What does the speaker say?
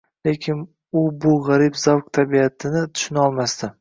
lekin u bu g'arib zavq tabiatini tushunolmasdi.